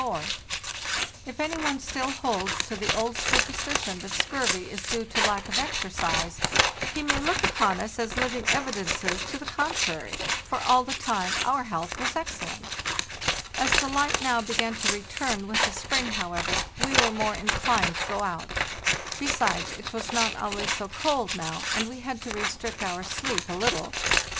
If any one still holds to the old superstition that scurvy is due to lack of ex ercise, he may look upon us as living evidences to the contrary; for all the time our health was excellent. As the light now began to return with the spring, however, THE NEW YEAR, 1896 465 we were more inclined to go out. Besides, it was not always so cold now, and we had to restrict our sleep a little.